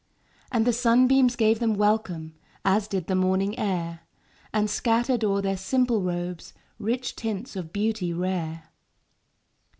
And the sunbeams gave them welcome. As did the morning air And scattered o'er their simple robes Rich tints of beauty rare.